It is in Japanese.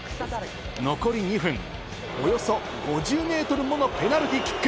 残り２分、およそ５０メートルものペナルティキック。